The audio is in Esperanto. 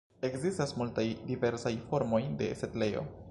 Ekzistas multaj diversaj formoj de setlejo.